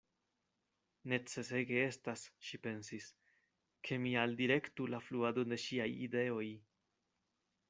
Necesege estas, ŝi pensis, ke mi alidirektu la fluadon de ŝiaj ideoj.